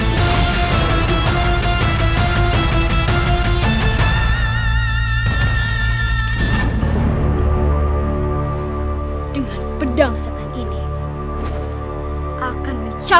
jangan kau lagi lawan ratu